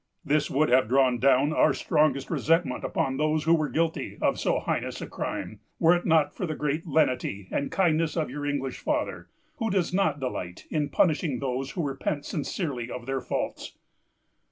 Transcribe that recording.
This would have drawn down our strongest resentment upon those who were guilty of so heinous a crime, were it not for the great lenity and kindness of your English father, who does not delight in punishing those who repent sincerely of their faults.